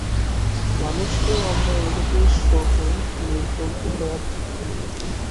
মানুষকেও আমরা এইরূপে সগুণ-নির্গুণ উভয়াত্মক বলিয়া থাকি।